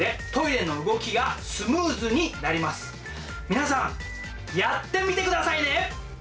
皆さんやってみて下さいね！